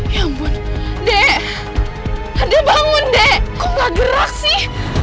ya ampun ade ade bangun de kok gak gerak sih